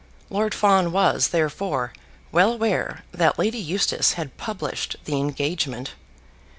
Lord Fawn was, therefore, well aware that Lady Eustace had published the engagement.